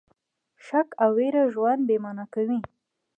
شک او ویره ژوند بې مانا کوي.